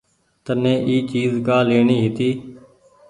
تني اي چيز ڪآ ليڻي هيتي۔